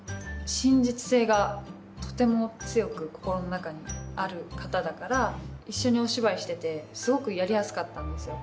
真実性がとても強く心の中にある方だから一緒にお芝居しててすごくやりやすかったんですよ。